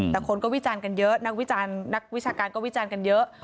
แต่คนก็วิจารณ์กันเยอะนักวิจารณ์ก็วิจารณ์กันเยอะ